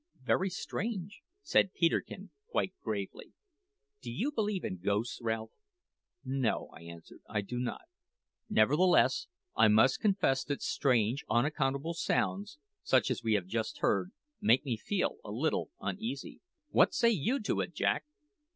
"Very strange!" said Peterkin quite gravely. "Do you believe in ghosts, Ralph?" "No," I answered, "I do not. Nevertheless, I must confess that strange, unaccountable sounds, such as we have just heard, make me feel a little uneasy." "What say you to it, Jack?"